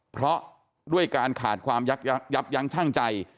เพราะด้วยการขาดความยับยับยับยังช่างใจ